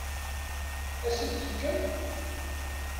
Ad asen-t-tefkem?